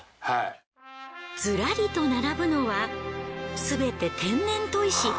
ずらりと並ぶのはすべて天然砥石。